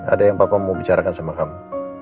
ada yang bapak mau bicarakan sama kamu